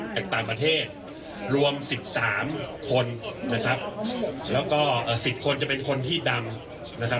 จากต่างประเทศรวม๑๓คนนะครับแล้วก็๑๐คนจะเป็นคนที่ดำนะครับ